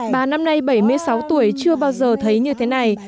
bà năm nay bảy mươi sáu tuổi chưa bao giờ thấy như thế này